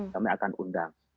kami akan undang